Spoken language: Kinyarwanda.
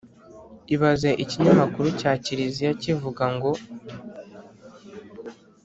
ibaze ikinyamakuru cya kiliziya kivuga ngo